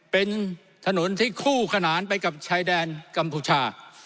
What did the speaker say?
เป็นถนนที่คู่ขนานไปกับชายแดนกัมพูชา